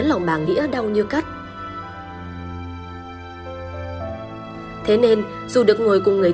một phạm nhân phạm thủy đội hai mươi ba